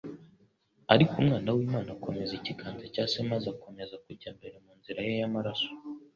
ariko Umwana w'Imana akomeza ikiganza cya Se maze akomeza kujya mbere mu nzira ye y'amaraso.